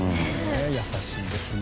優しいですね。